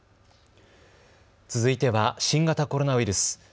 続いては新型コロナウイルス。